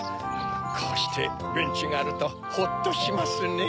こうしてベンチがあるとほっとしますねぇ。